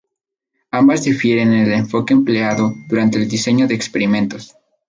Ambas difieren en el enfoque empleado durante el diseño de experimentos.